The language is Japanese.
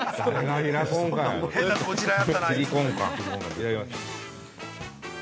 いただきます。